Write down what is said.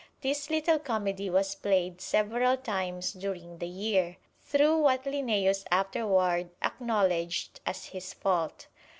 This little comedy was played several times during the year, through what Linnæus afterward acknowledged as his fault.